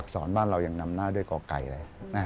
อักษรบ้านเรายังนำหน้าด้วยก็ไก่เลย